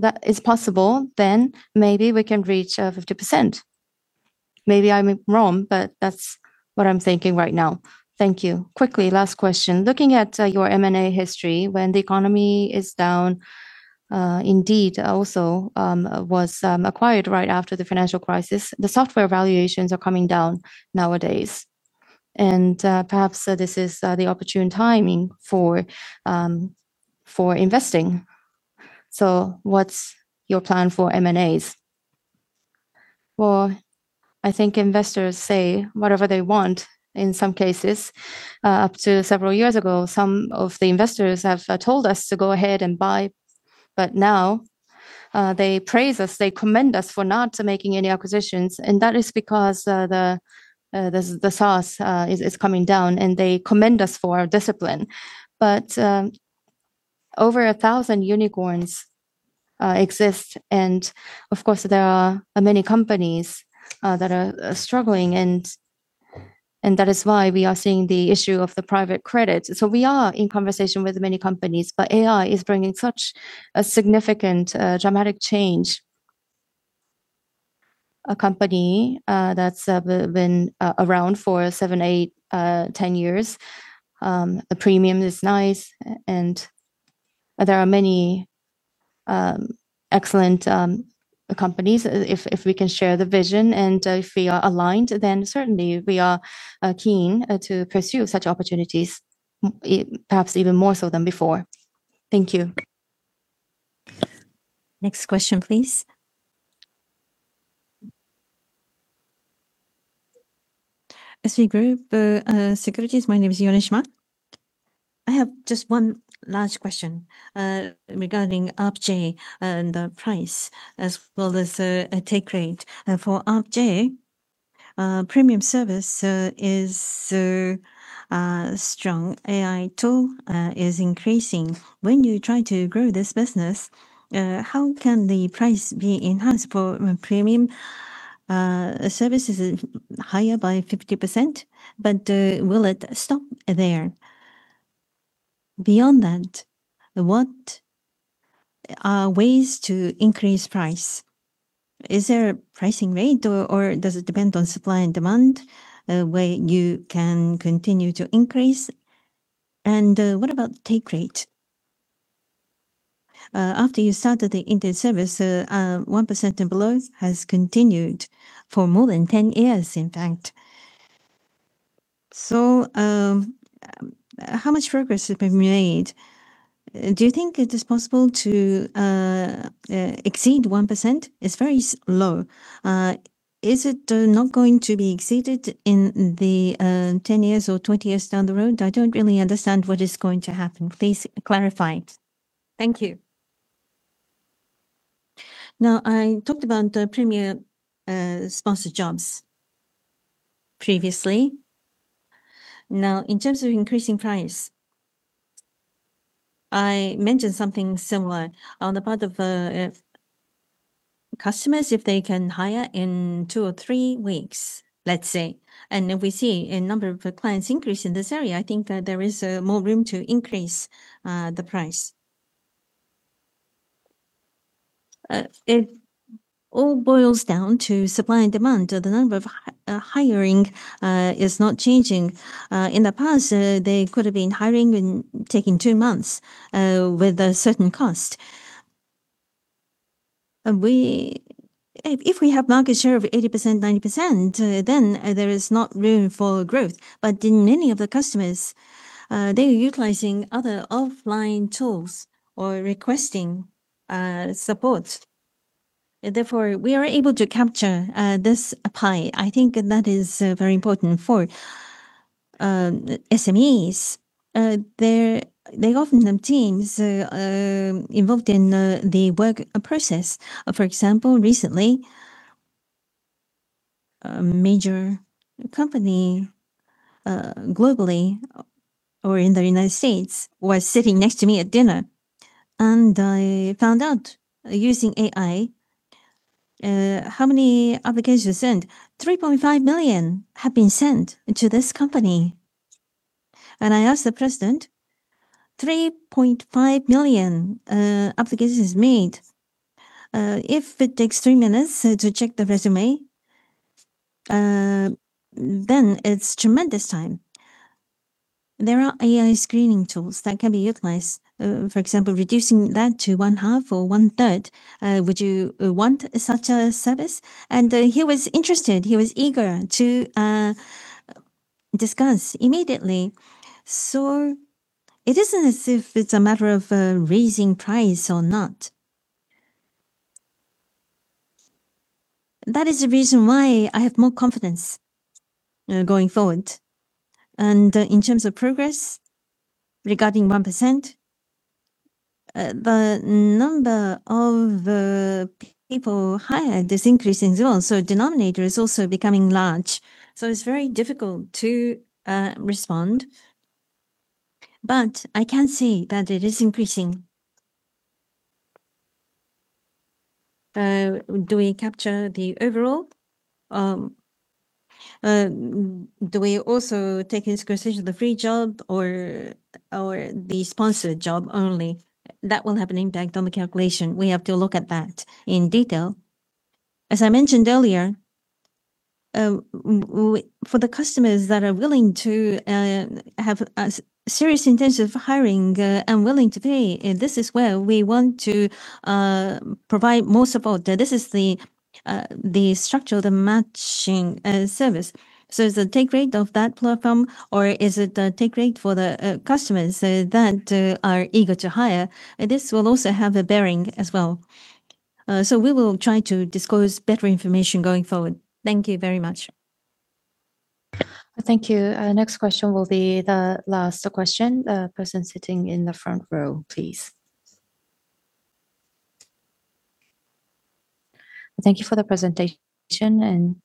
B: that is possible, then maybe we can reach 50%. Maybe I'm wrong, but that's what I'm thinking right now.
G: Thank you. Quickly, last question. Looking at your M&A history, when the economy is down, Indeed also was acquired right after the financial crisis. The software valuations are coming down nowadays. Perhaps this is the opportune timing for investing. What's your plan for M&As?
B: Well, I think investors say whatever they want in some cases. Up to several years ago, some of the investors have told us to go ahead and buy. Now, they praise us, they commend us for not making any acquisitions. That is because the SaaS is coming down, and they commend us for our discipline. Over 1,000 unicorns exist. Of course, there are many companies that are struggling and that is why we are seeing the issue of the private credit. We are in conversation with many companies, but AI is bringing such a significant, dramatic change. A company that's been around for seven, eight, 10 years. The premium is nice and there are many excellent companies. If we can share the vision and if we are aligned, then certainly we are keen to pursue such opportunities, perhaps even more so than before. Thank you.
A: Next question, please.
H: Citigroup Securities. My name is Yoneshima. I have just one last question regarding ARPJ and the price as well as the take rate. For ARPJ, premium service is strong. AI tool is increasing. When you try to grow this business, how can the price be enhanced for premium? Service is higher by 50%, but will it stop there? Beyond that, what are ways to increase price? Is there a pricing rate or does it depend on supply and demand, a way you can continue to increase? What about take rate? After you started the internet service, 1% and below has continued for more than 10 years, in fact. How much progress has been made? Do you think it is possible to exceed 1%? It's very low. Is it not going to be exceeded in the 10 years or 20 years down the road? I don't really understand what is going to happen. Please clarify it.
B: Thank you. I talked about the Premium Sponsored Jobs previously. In terms of increasing price, I mentioned something similar. On the part of customers, if they can hire in two or three weeks, let's say, and if we see a number of clients increase in this area, I think that there is more room to increase the price. It all boils down to supply and demand. The number of hiring is not changing. In the past, they could have been hiring and taking two months with a certain cost. If we have market share of 80%-90%, then there is not room for growth. In many of the customers, they are utilizing other offline tools or requesting support. Therefore, we are able to capture this pie. I think that is very important for SMEs. They often have teams involved in the work process. For example, recently, a major company, globally or in the United States was sitting next to me at dinner, and I found out using AI how many applications sent. 3.5 million have been sent to this company. I asked the president, 3.5 million applications made. If it takes three minutes to check the resume, then it's tremendous time. There are AI screening tools that can be utilized. For example, reducing that to one half or one third, would you want such a service? He was interested. He was eager to discuss immediately. It isn't as if it's a matter of raising price or not. That is the reason why I have more confidence going forward. In terms of progress regarding 1%, the number of people hired is increasing as well. Denominator is also becoming large, so it's very difficult to respond. I can see that it is increasing. Do we capture the overall? Do we also take into consideration the free job or the sponsored job only? That will have an impact on the calculation. We have to look at that in detail. As I mentioned earlier, for the customers that are willing to have a serious intention for hiring and willing to pay, this is where we want to provide more support. This is the structure, the matching service. Is the take rate of that platform or is it the take rate for the customers that are eager to hire? This will also have a bearing as well. We will try to disclose better information going forward. Thank you very much.
A: Thank you. Next question will be the last question. The person sitting in the front row, please.
I: Thank you for the presentation, and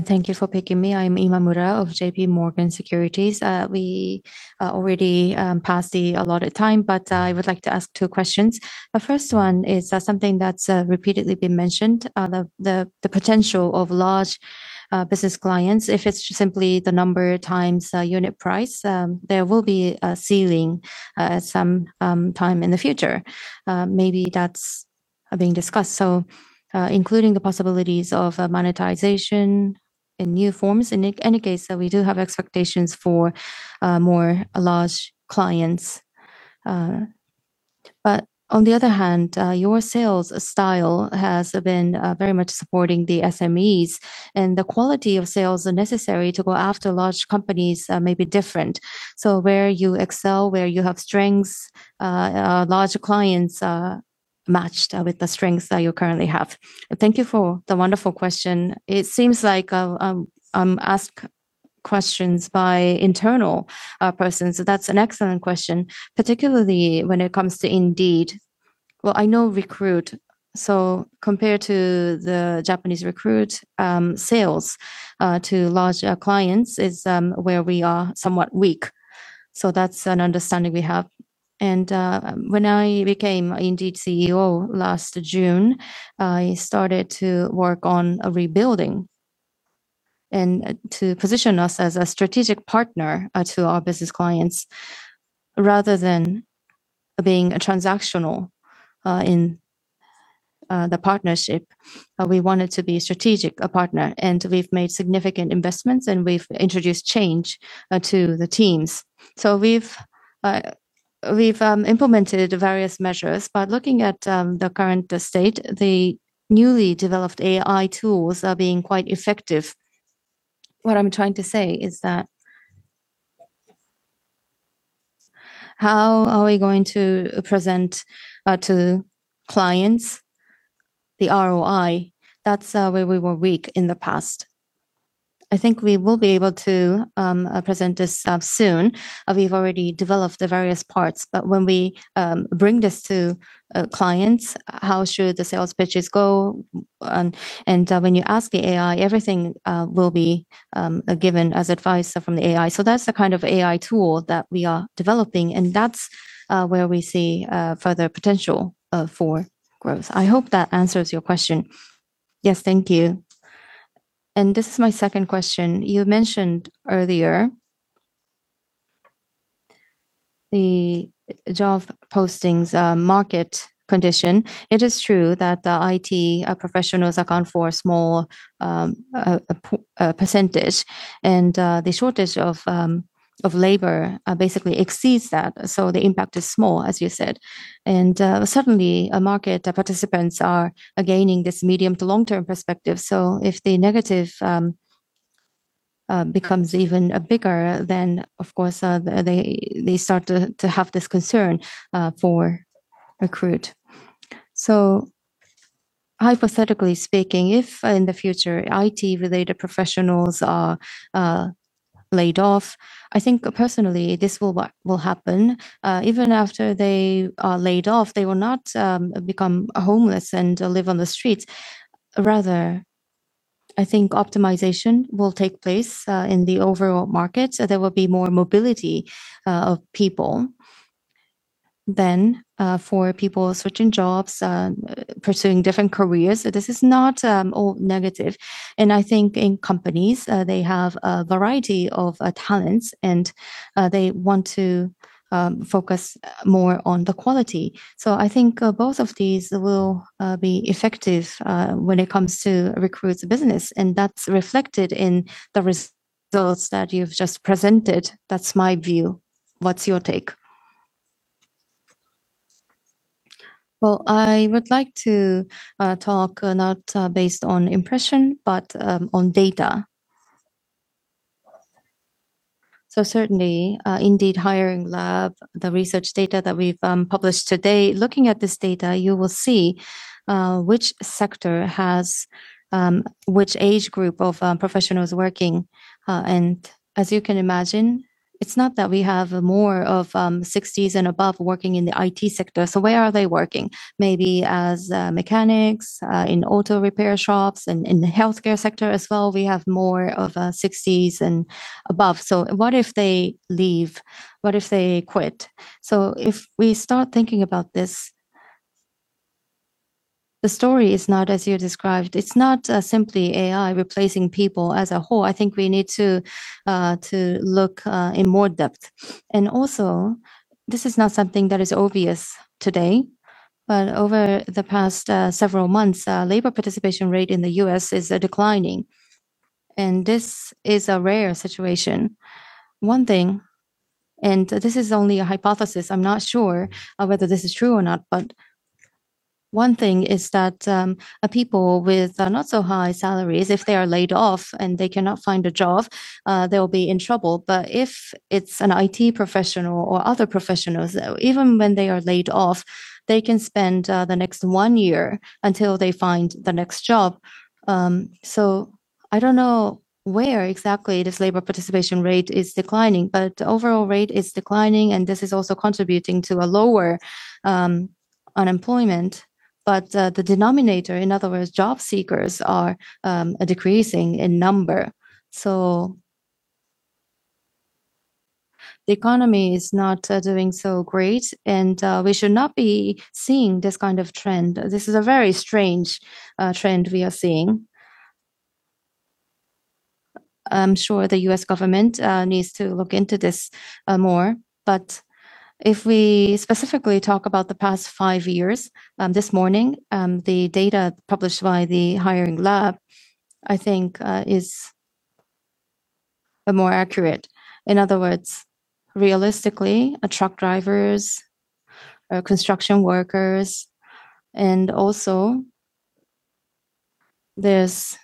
I: thank you for picking me. I'm Yamamura of JPMorgan Securities. We are already past the allotted time, but I would like to ask two questions. The first one is something that's repeatedly been mentioned, the potential of large business clients. If it's simply the number times unit price, there will be a ceiling some time in the future. Maybe that's being discussed. Including the possibilities of monetization in new forms. In any case, we do have expectations for more large clients. On the other hand, your sales style has been very much supporting the SMEs, and the quality of sales necessary to go after large companies may be different. Where you excel, where you have strengths, large clients are matched with the strengths that you currently have.
B: Thank you for the wonderful question. It seems like I'm asked questions by internal persons. That's an excellent question, particularly when it comes to Indeed. I know Recruit, so compared to the Japanese Recruit, sales to large clients is where we are somewhat weak. That's an understanding we have. When I became Indeed CEO last June, I started to work on rebuilding and to position us as a strategic partner to our business clients rather than being transactional in the partnership. We wanted to be strategic, a partner, we've made significant investments, and we've introduced change to the teams. We've implemented various measures. Looking at the current state, the newly developed AI tools are being quite effective. What I'm trying to say is that how are we going to present to clients the ROI? That's where we were weak in the past. I think we will be able to present this stuff soon. We've already developed the various parts. When we bring this to clients, how should the sales pitches go? When you ask the AI, everything will be given as advice from the AI. That's the kind of AI tool that we are developing, and that's where we see further potential for growth. I hope that answers your question.
I: Yes. Thank you. This is my second question. You mentioned earlier the job postings market condition. It is true that the IT professionals account for a small percentage, and the shortage of labor basically exceeds that. The impact is small, as you said. Certainly market participants are gaining this medium to long-term perspective. If the negative becomes even bigger, then of course, they start to have this concern for Recruit. Hypothetically speaking, if in the future IT-related professionals are laid off, I think personally this will happen. Even after they are laid off, they will not become homeless and live on the streets. Rather, I think optimization will take place in the overall market. There will be more mobility of people. Then for people switching jobs, pursuing different careers, this is not all negative. I think in companies, they have a variety of talents and they want to focus more on the quality. I think both of these will be effective when it comes to Recruit's business, and that's reflected in the results that you've just presented. That's my view. What's your take?
B: I would like to talk not based on impression, but on data. Certainly, Indeed Hiring Lab, the research data that we've published today, looking at this data, you will see which sector has which age group of professionals working. As you can imagine, it's not that we have more of 60s and above working in the IT sector. Where are they working? Maybe as mechanics in auto repair shops and in the healthcare sector as well. We have more of 60s and above. What if they leave? What if they quit? If we start thinking about this, the story is not as you described. It's not simply AI replacing people as a whole. I think we need to look in more depth. This is not something that is obvious today, but over the past several months, labor participation rate in the U.S. is declining. This is a rare situation. One thing, this is only a hypothesis, I'm not sure of whether this is true or not, one thing is that people with not so high salaries, if they are laid off and they cannot find a job, they'll be in trouble. If it's an IT professional or other professionals, even when they are laid off, they can spend the next one year until they find the next job. I don't know where exactly this labor participation rate is declining, the overall rate is declining, and this is also contributing to a lower unemployment. The denominator, in other words, job seekers are decreasing in number. The economy is not doing so great, we should not be seeing this kind of trend. This is a very strange trend we are seeing. I'm sure the U.S. government needs to look into this more. If we specifically talk about the past five years, this morning, the data published by the Hiring Lab, I think, is more accurate. In other words, realistically, truck drivers or construction workers and also there's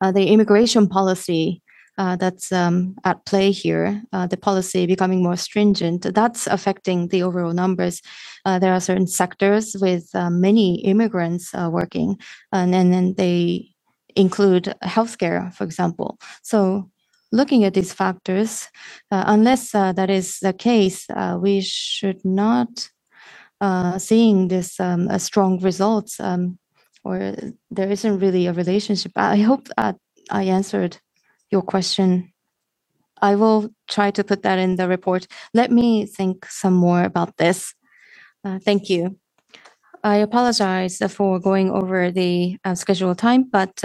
B: the immigration policy that's at play here. The policy becoming more stringent, that's affecting the overall numbers. There are certain sectors with many immigrants working, and then they include healthcare, for example. Looking at these factors, unless that is the case, we should not seeing this strong results or there isn't really a relationship. I hope that I answered your question. I will try to put that in the report. Let me think some more about this. Thank you.
A: I apologize for going over the scheduled time, but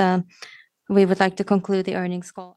A: we would like to conclude the earnings call